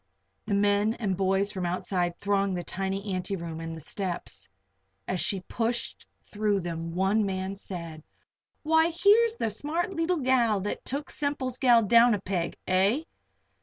The men and boys from outside thronged the tiny anteroom and the steps. As she pushed through them one man said: "Why, here's the smart leetle gal that took Semple's gal down a peg eh?